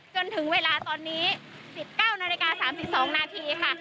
จนถึงเวลาตอนนี้๑๙๓๒นาทีค่ะ